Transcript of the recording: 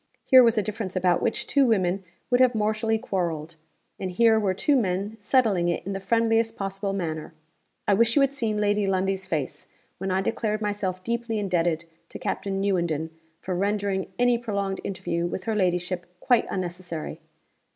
Here was a difference about which two women would have mortally quarreled; and here were two men settling it in the friendliest possible manner. I wish you had seen Lady Lundie's face, when I declared myself deeply indebted to Captain Newenden for rendering any prolonged interview with her ladyship quite unnecessary.